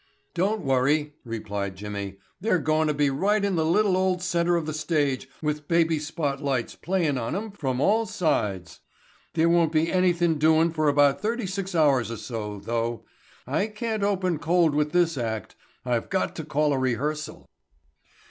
"Don't worry," replied Jimmy. "They're goin' to be right in the little old center of the stage with baby spot lights playin' on 'em from all sides. There won't be anythin' doin' for about thirty six hours or so, though. I can't open cold with this act. I've got to call a rehearsal."